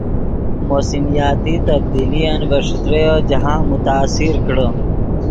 موسمیاتی تبدیلین ڤے ݯتریو جاہند متاثر کڑے